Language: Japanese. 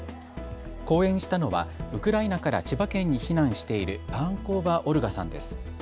講演したのはウクライナから千葉県に避難しているパーンコーヴァ・オルガさんです。